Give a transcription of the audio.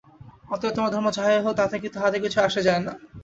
অতএব তোমার ধর্ম যাহাই হউক, তাহাতে কিছু আসে যায় না।